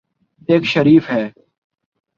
ایک شریف ہیں۔